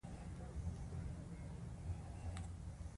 ورو يې وويل: اوس يې وخت دی.